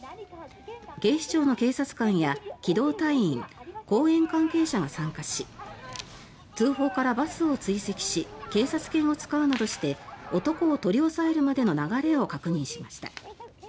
警視庁の警察官や機動隊員、公園関係者が参加し通報からバスを追跡し警察犬を使うなどして男を取り押さえるまでの流れを確認しました。